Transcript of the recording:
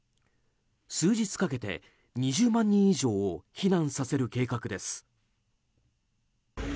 数日かけて、２０万人以上を避難させる計画です。